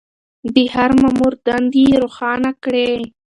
د هر مامور دندې يې روښانه کړې.